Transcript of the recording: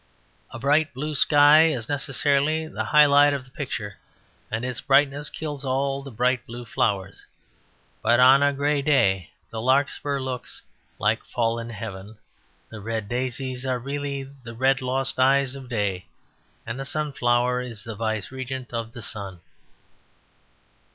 A bright blue sky is necessarily the high light of the picture; and its brightness kills all the bright blue flowers. But on a grey day the larkspur looks like fallen heaven; the red daisies are really the red lost eyes of day; and the sunflower is the vice regent of the sun.